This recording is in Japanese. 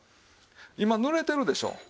今濡れてるでしょう。